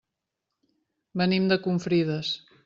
Venim de Confrides.